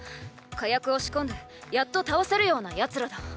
火薬を仕込んでやっと倒せるような奴らだ。